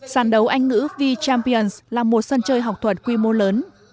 sàn đấu anh ngữ v champions là một sân chơi học thuật quy mô lớn